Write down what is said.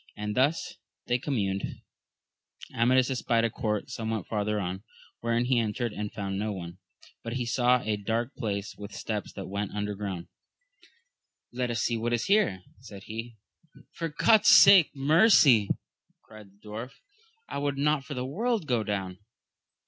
As thus they communed, Amadis espied a court somewhat farther on, wherein he entered and found no one, but he saw a dark place, with steps that went \ia^<&t ^owxi^i. li^\» ^3& ^i^^ ^\\&t AMADI8 OF GAUL. 117 is here, said he. For God's sake mercy! cried the dwarf, I would not for the world go down.